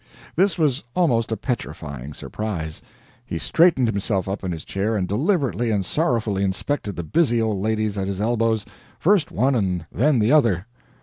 This was almost a petrifying surprise. He straightened himself up in his chair and deliberately and sorrowfully inspected the busy old ladies at his elbows, first one and then the other.